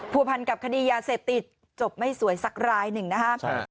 ผัวพันกับคดียาเสพติดจบไม่สวยสักรายหนึ่งนะครับ